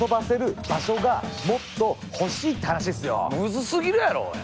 難すぎるやろおい！